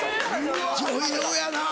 女優やなぁ。